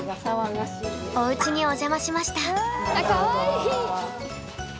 おうちにお邪魔しました。